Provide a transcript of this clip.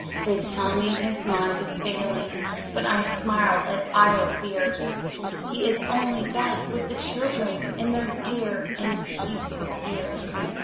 They tell me his mind is failing, But I smile at idle fears; He is only back with the children, In the dear and peaceful years.